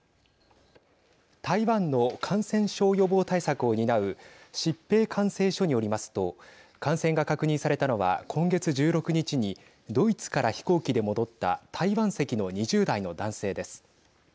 台湾の感染症予防対策を担う疾病管制署によりますと感染が確認されたのは今月１６日にドイツから飛行機で戻った台湾籍の２０代の男性です。